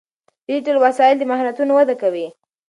ډیجیټل وسایل د مهارتونو وده کوي.